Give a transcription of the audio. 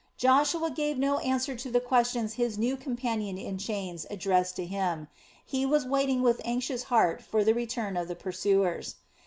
Joshua gave no answer to the questions his new companion in chains addressed to him; he was waiting with an anxious heart for the return of the pursuers.